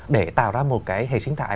để tạo ra một cái hệ sinh thái